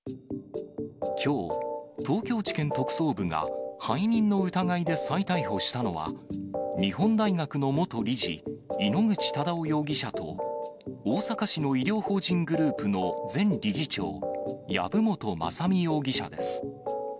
きょう、東京地検特捜部が背任の疑いで再逮捕したのは、日本大学の元理事、井ノ口忠男容疑者と、大阪市の医療法人グループの前理事長、籔本雅巳容疑者です。